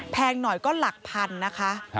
หน่อยก็หลักพันนะคะ